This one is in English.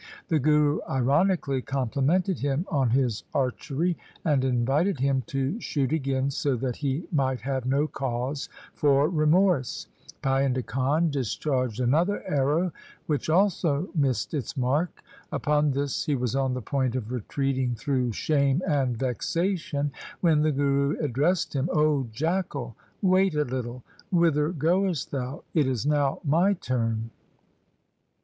The Guru ironically complimented him on his archery, and invited him to shoot again so that he might have no cause for remorse. Painda Khan discharged anothe: arrow which also missed its mark. Upon this he was on the point of retreating through shame and vexation, when the Guru ad dressed him :' O jackal, wait a little. Whither goest thou ? It is now my turn.'